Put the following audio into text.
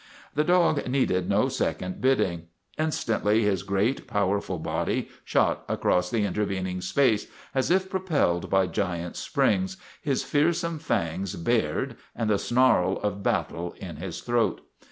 The dog needed no second bidding. Instantly his great, powerful body shot across the intervening space as if propelled by giant springs, his fearsome fangs bared and the snarl of battle in his throat.